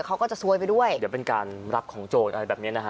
เจ้าก็จะหัวไปด้วยหรือเป็นการรับของโจทย์อะไรแบบนี้นะฮะ